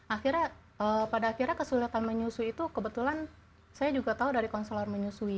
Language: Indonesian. akhirnya pada akhirnya kesulitan menyusui itu kebetulan saya juga tahu dari konselor menyusui